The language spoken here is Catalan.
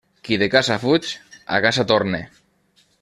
Qui de casa fuig, a casa torne.